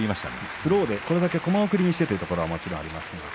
スローで、これだけコマ送りにしてというところもあります。